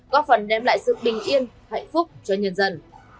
có phần đem lại sự bình yên hạnh phúc cho nhân dân